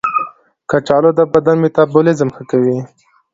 کچالو د بدن میتابولیزم ښه کوي.